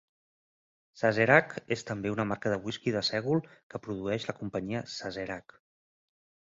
Sazerac és també una marca de whisky de sègol que produeix la Companyia Sazerac.